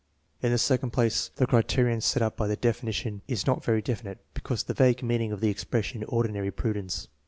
In the second place, the criterion set up by the definition is not very definite because of the vague meaning of the expression " ordinary prudence."